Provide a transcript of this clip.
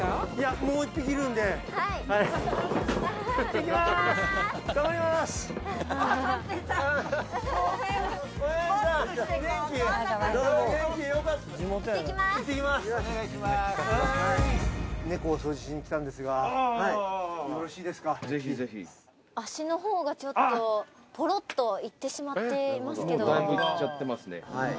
・もうだいぶいっちゃってますね